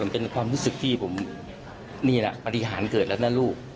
เป็นความรู้สึกที่ผมนี่แหละปฏิหารเกิดแล้วนะลูก